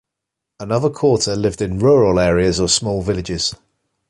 Another quarter lived in rural areas or small villages.